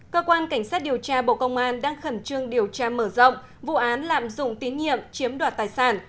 cơ quan cảnh sát điều tra bộ công an đang khẩn trương điều tra mở rộng vụ án lạm dụng tín nhiệm chiếm đoạt tài sản